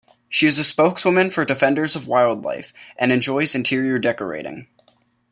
She is a spokeswoman for Defenders of Wildlife, and enjoys interior decorating.